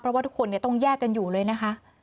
เพราะว่าทุกคนต้องแยกกันอยู่เลยนะคะ